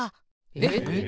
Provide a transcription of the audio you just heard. えっ？